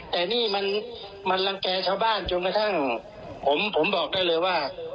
แต่นี่มันรังแก่ชาวบ้านจนกระทั่งผมบอกได้เลยว่า